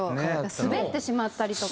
滑ってしまったりとか。